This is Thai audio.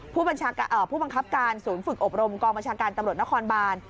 ผู้บังคับการศูนย์ฝึกอบรมกองบัญชาการตำรวจนครบาน